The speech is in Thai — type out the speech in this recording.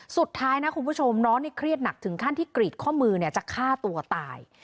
สุดท้ายนะคุณผู้ชมน้องนี่เครียดหนักถึงขั้นที่กรีดข้อมือจะฆ่าตัวตาย